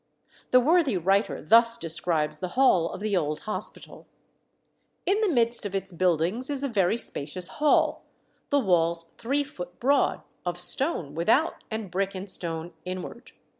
The worthy writer thus describes the hall of the old hospital: "In the midst of its buildings is a very spacious hall, the walls three foot broad, of stone without and brick and stone inward.